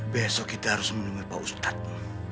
besok kita harus mendengar pak ustadz